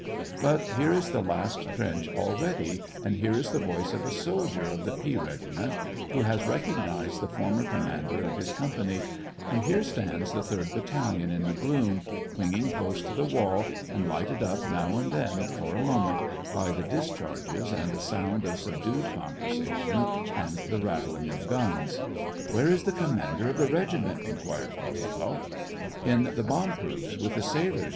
But here is the last trench already, and here is the voice of a soldier of the P regiment, who has recognized the former commander of his company, and here stands the third battalion in the gloom, clinging close to the wall, and lighted up now and then, for a moment, by the discharges, and a sound of subdued conversation, and the rattling of guns. "Where is the commander of the regiment.'*" inquired Kozeltzoff. " In the bomb proofs with the sailors.